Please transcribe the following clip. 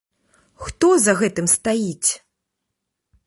Хто за гэтым стаіць?